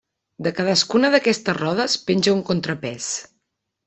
De cadascuna d'aquestes rodes penja un contrapès.